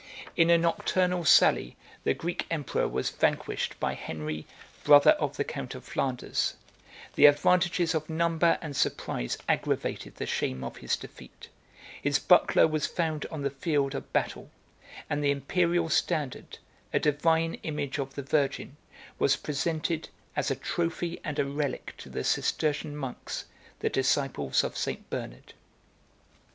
78 In a nocturnal sally the Greek emperor was vanquished by Henry, brother of the count of Flanders: the advantages of number and surprise aggravated the shame of his defeat: his buckler was found on the field of battle; and the Imperial standard, 79 a divine image of the Virgin, was presented, as a trophy and a relic to the Cistercian monks, the disciples of St. Bernard.